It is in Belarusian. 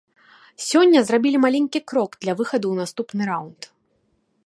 Сёння зрабілі маленькі крок для выхаду ў наступны раўнд.